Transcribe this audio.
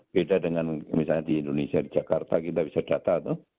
beda dengan misalnya di indonesia di jakarta kita bisa data tuh